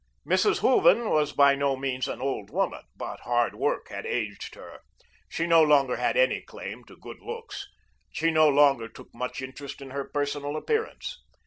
Mrs. Hooven was by no means an old woman, but hard work had aged her. She no longer had any claim to good looks. She no longer took much interest in her personal appearance.